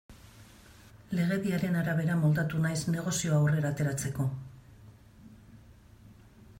Legediaren arabera moldatu naiz negozioa aurrera ateratzeko.